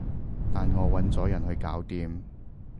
但我搵咗人去搞掂